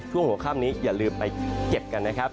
ช่วงหัวข้ามนี้อย่าลืมไปเก็บกันนะครับ